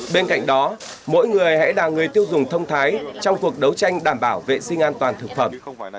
bên cạnh đó mỗi người hãy là người tiêu dùng thông thái trong cuộc đấu tranh đảm bảo vệ sinh an toàn thực phẩm